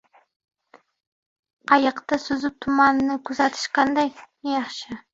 Qayiqda suzib, tumanni kuzatish qanday yaxshi.